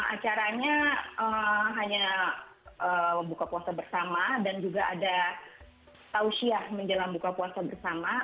acaranya hanya buka puasa bersama dan juga ada tausiah menjelang buka puasa bersama